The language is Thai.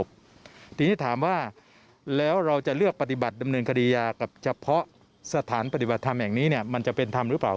สถานปฏิบัติธรรมแห่งนี้มันจะเป็นธรรมหรือเปล่า